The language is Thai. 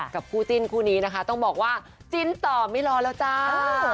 คู่จิ้นคู่นี้นะคะต้องบอกว่าจิ้นต่อไม่รอแล้วจ้า